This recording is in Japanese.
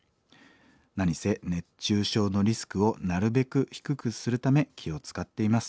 何せ熱中症のリスクをなるべく低くするため気を使っています。